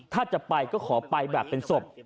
ถ้าจะไปก็ขอไปแบบเป็นศพ